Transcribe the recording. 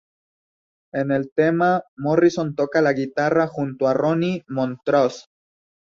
En el tema, Morrison toca la guitarra junto a Ronnie Montrose.